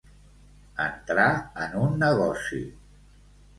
Entrar en un negoci.